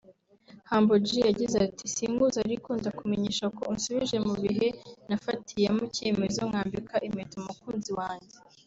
Humble G yagize ati”Sinkuzi ariko ndakumenyesha ko unsubije mu bihe nafatiyemo icyemezo nkambika impeta umukunzi wanjye